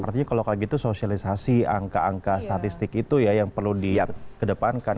artinya kalau kayak gitu sosialisasi angka angka statistik itu ya yang perlu dikedepankan